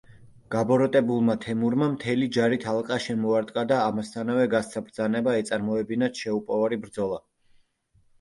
გაბოროტებულმა თემურმა მთელი ჯარით ალყა შემოარტყა და ამასთანავე, გასცა ბრძანება ეწარმოებინათ შეუპოვარი ბრძოლა.